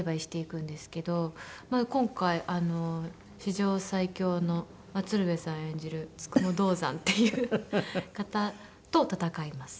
今回史上最強の鶴瓶さん演じる九十九道山っていう方と戦います。